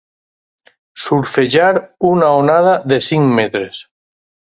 Surfejar una onada de cinc metres.